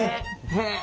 へえ。